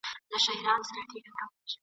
د ړانده سړي تر لاسه یې راوړی !.